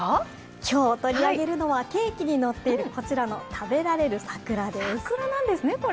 今日取り上げるのはケーキにのっている、こちらの食べられる桜です。